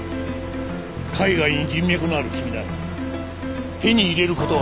海外に人脈のある君なら手に入れる事は可能かもしれない。